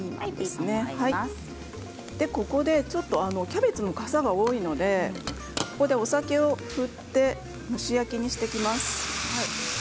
キャベツのかさが多いのでここでお酒を振って蒸し焼きにしていきます。